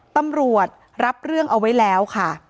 ตำรวจรับเรื่องเอาไว้แล้วค่ะ